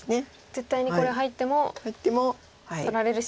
絶対にこれは入っても取られるし入っても取られるし。